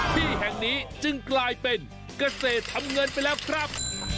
ที่แห่งนี้จึงกลายเป็นเกษตรทำเงินไปแล้วครับ